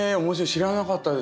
知らなかったです。